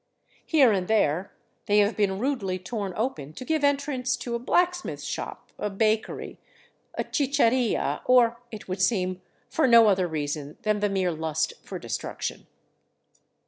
Here and there they have been rudely torn open to give entrance to a blacksmith shop, a bakery, a chicharia, or, 425 VAGABONDING DOWN THE ANDES it would seem, for no other reason than the mere lust for destruction.